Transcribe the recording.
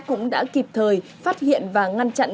cũng đã kịp thời phát hiện và ngăn chặn